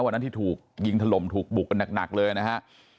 วันนั้นที่ถูกยิงถล่มถูกบุกกันหนักเลยนะฮะ